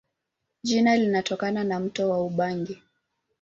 Jina linatokana na mto Ubangi.